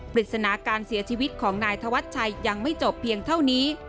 ปริศนาการเสียชีวิตของนายธวัชชัยยังไม่จบเพียงเท่านี้